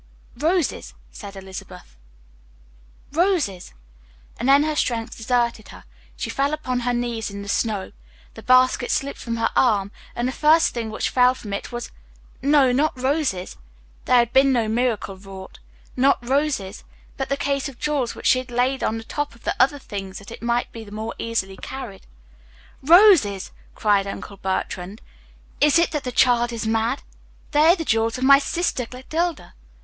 "Roses," said Elizabeth, "Roses." And then her strength deserted her she fell upon her knees in the snow the basket slipped from her arm, and the first thing which fell from it was no, not roses, there had been no miracle wrought not roses, but the case of jewels which she had laid on the top of the other things that it might be the more easily carried. [ILLUSTRATION: HER STRENGTH DESERTED HER SHE FELL UPON HER KNEES IN THE SNOW.] "Roses!" cried Uncle Bertrand. "Is it that the child is mad? They are the jewels of my sister Clotilde."